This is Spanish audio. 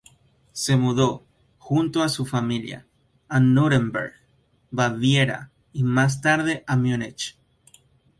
Se mudó, junto a su familia, a Núremberg, Baviera, y más tarde a Múnich.